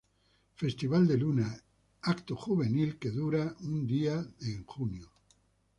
Festival de Luna: evento juvenil que dura un día de junio.